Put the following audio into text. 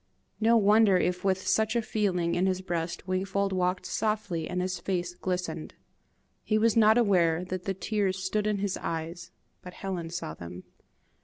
No wonder if with such a feeling in his breast Wingfold walked softly, and his face glistened! He was not aware that the tears stood in his eyes, but Helen saw them.